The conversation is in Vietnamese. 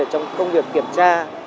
trong công việc kiểm tra